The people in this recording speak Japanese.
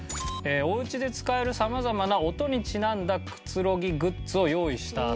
お家で使える様々な音にちなんだくつろぎグッズを用意したそうなんで。